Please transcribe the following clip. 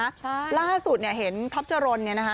ใช่ล่าสุดเนี่ยเห็นท็อปจรนเนี่ยนะคะ